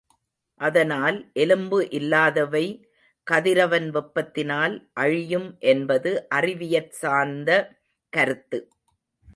அதனால் எலும்பு இல்லாதவை கதிரவன் வெப்பத்தினால் அழியும் என்பது அறிவியற் சார்ந்த கருத்து.